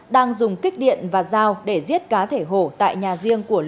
đang dùng kích điện và dao để giết cá thể hổ tại nhà riêng của lường